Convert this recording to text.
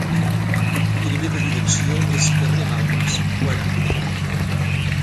I la meva direcció és carrer Balmes quaranta.